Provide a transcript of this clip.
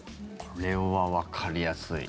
これはわかりやすい。